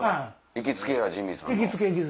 行きつけやジミーさんの。